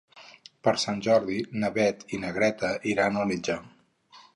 Per Sant Jordi na Beth i na Greta iran al metge.